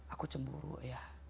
aku cemburu ya